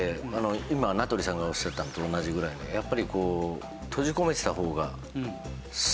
今名取さんがおっしゃったのと同じぐらいのやっぱりこう。